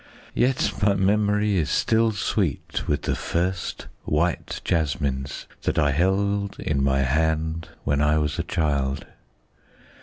Yet my memory is still sweet with the first white jasmines that I held in my hand when I was a child.